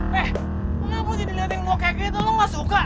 hei kenapa jadi liat yang lo kayak gitu lo gak suka